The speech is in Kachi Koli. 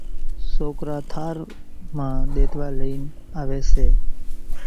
سوڪرو ٿار مان ۮيتوا لئي آوي سي